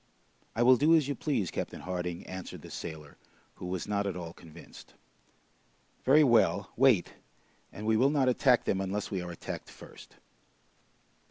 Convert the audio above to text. "I will do as you please, Captain Harding," answered the sailor, who was not at all convinced. "Very well, wait, and we will not attack them unless we are attacked first."